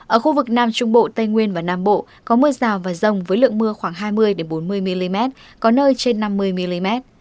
ở khu vực nam trung bộ tây nguyên và nam bộ có mưa rào và rông với lượng mưa khoảng hai mươi bốn mươi mm có nơi trên năm mươi mm